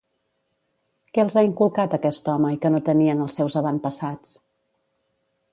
Què els ha inculcat aquest home i que no tenien els seus avantpassats?